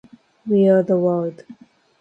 We are the world